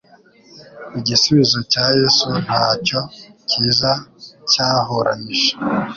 Igisubizo cya Yesu nacyo kiza cyahuranije